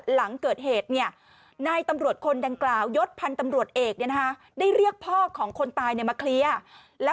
หลังเกิดเหตุเนี่ยนายตำรวจคนดังกล่าวยศพันธ์ตำรวจเอกเนี่ยนะฮะ